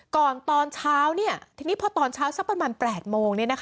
ตอนเช้าทีนี้พอตอนเช้าสักประมาณ๘โมง